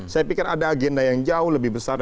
saya pikir ada agenda yang jauh lebih besar